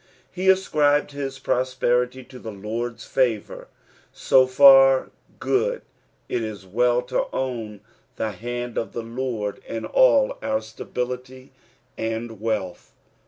He ascribed his prosperity to the Lord's favour — so for good, it is well to own the hand of the Lord in all our stability and wealtti.